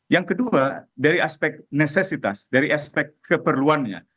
yang kedua dari aspek necesitas dari aspek keperluannya